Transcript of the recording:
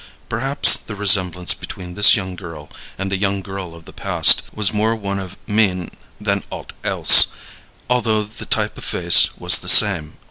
Perhaps the resemblance between this young girl and the young girl of the past was more one of mien than aught else, although the type of face was the same.